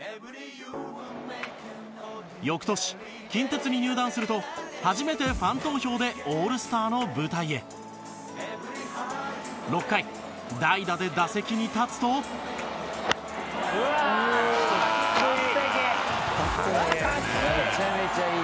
翌年、近鉄に入団すると初めてファン投票でオールスターの舞台へ６回、代打で打席に立つと武井：うわあ、完璧。